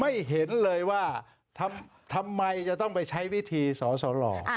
ไม่เห็นเลยว่าทำไมจะต้องไปใช้วิธีสอสหล่อ